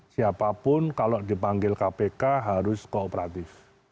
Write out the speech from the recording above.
siapapun kalau dipanggil kpk harus kooperatif